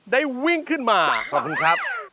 วิ่งขึ้นมาขอบคุณครับ